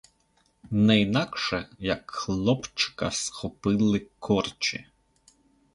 Не інакше як хлопчика схопили корчі.